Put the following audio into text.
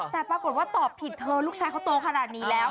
แต่ปรากฏว่าตอบผิดเธอลูกชายเขาโตขนาดนี้แล้ว